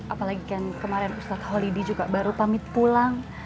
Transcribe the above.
apalagi kan kemarin ustadz kholidi juga baru pamit pulang